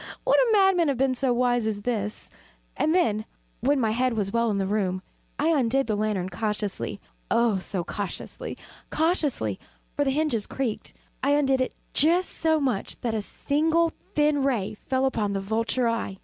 would a madman have been so wise as this, And then, when my head was well in the room, I undid the lantern cautiously oh, so cautiously cautiously (for the hinges creaked) I undid it just so much that a single thin ray fell upon the vulture eye.